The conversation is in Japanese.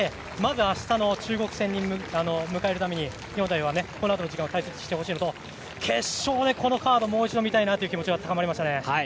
あしたの中国戦を迎えるためにこのあとの時間を大切にしてほしいのと決勝でこのカードをもう一度見たいという気持ちが高まりました。